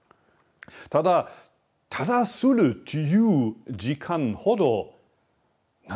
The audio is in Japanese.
ただただする自由時間ほど何ていうかな